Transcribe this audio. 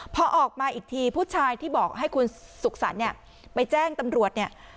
พอออกมาอีกทีผู้ชายที่บอกให้คุณสุขสรรค์เนี่ยไปแจ้งตำรวจเนี่ย